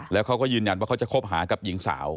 แล้วเขาก็ยืนยันว่าเขาจะคบหากับหญิงสาว